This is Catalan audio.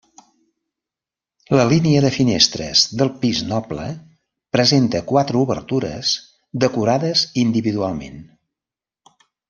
La línia de finestres del pis noble presenta quatre obertures, decorades individualment.